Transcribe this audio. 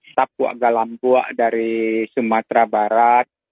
tapuak galampuak dari sumatera barat